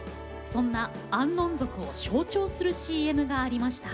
そんなアンノン族を象徴する ＣＭ がありました。